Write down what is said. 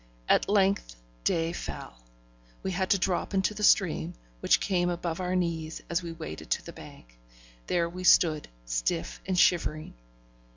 At length, day fell. We had to drop into the stream, which came above our knees as we waded to the bank. There we stood, stiff and shivering.